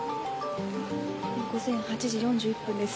午前８時４１分です。